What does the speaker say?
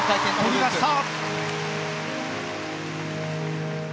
跳びました！